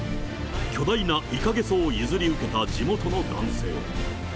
巨大なイカゲソを譲り受けた地元の男性。